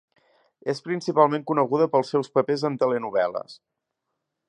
És principalment coneguda pels seus papers en telenovel·les.